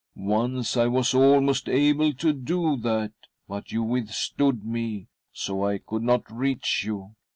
Once I was almost able to do that, but, you withstood me, so I could not reach you.